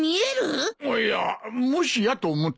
いやもしやと思ってな。